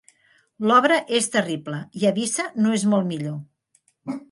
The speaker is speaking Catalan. L'obra és terrible i Avice no és molt millor.